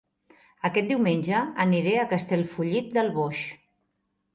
Aquest diumenge aniré a Castellfollit del Boix